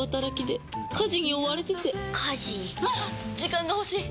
時間が欲しい！